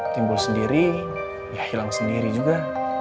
timbul sendiri ya hilang sendiri juga